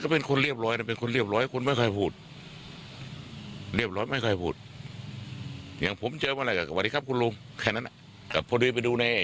เพราะผมไม่อยากเห็น